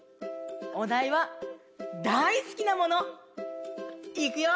おだいは「だいすきなもの」。いくよ！